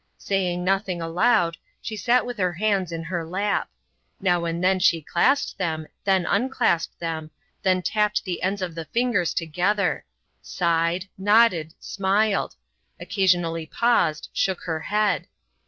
Saying nothing aloud, she sat with her hands in her lap; now and then she clasped them, then unclasped them, then tapped the ends of the fingers together; sighed, nodded, smiled occasionally paused, shook her head.